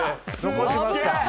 残しましたね。